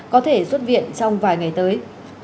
có thể xuất viện trong vài ngày tới